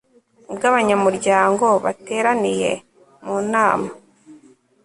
bw abanyamuryango bateraniye mu Nama